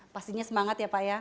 pastinya semangat ya pak ya